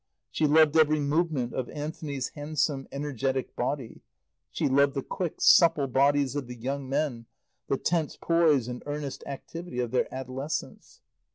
She loved every movement of Anthony's handsome, energetic body; she loved the quick, supple bodies of the young men, the tense poise and earnest activity of their adolescence.